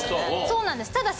そうなんですただ。